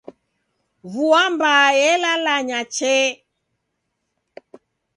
Vua mbaa elalanya chee!